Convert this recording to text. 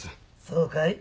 そうかい。